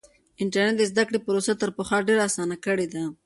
انټرنیټ د زده کړې پروسه تر پخوا ډېره اسانه کړې ده.